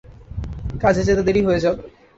কাজে যেতে দেরি হয়ে যাবে।